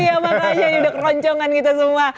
iya makanya duduk roncongan kita semua